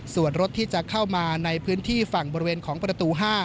ส่วนรถที่จะเข้ามาในพื้นที่ฝั่งบริเวณของประตู๕